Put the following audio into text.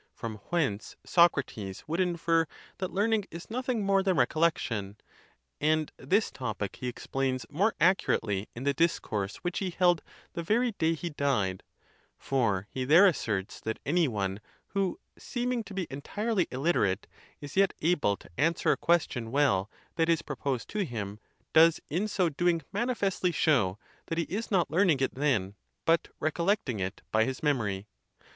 From whence Socrates would infer that learning is nothing more than recollection ; and this topic he explains more accurately in the discourse which he held the very day he died; for he there asserts that any one, who seeming to be entirely illiterate, is yet able to answer a question well that is pro posed to him, does in so doing manifestly show that he is not learning it then, but recollecting it by his memory.